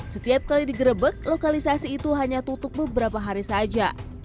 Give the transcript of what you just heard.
setiap kali digerebek lokalisasi itu hanya tutup beberapa hari saja